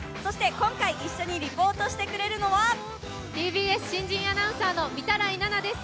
今回一緒にリポートしてくれるのはＴＢＳ新人アナウンサーの御手洗菜々です。